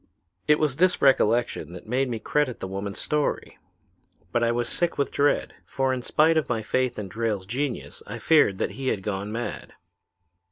"It was this recollection that made me credit the woman's story. But I was sick with dread, for in spite of my faith in Drayle's genius I feared he had gone mad.